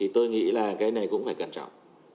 tôi nghĩ là cái này cũng phải cẩn trọng